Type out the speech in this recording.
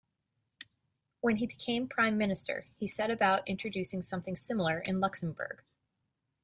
When he became prime minister, he set about introducing something similar in Luxembourg.